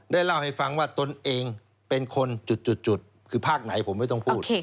เล่าให้ฟังว่าตนเองเป็นคนจุดคือภาคไหนผมไม่ต้องพูด